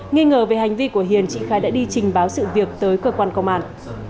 nghi ngờ về hành vi của hiền chị khai đã đi trình báo sự việc tới cơ quan công an